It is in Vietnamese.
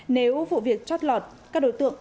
nếu vụ việc trót lọt các đối tượng